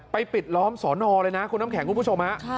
ปิดล้อมสอนอเลยนะคุณน้ำแข็งคุณผู้ชมฮะ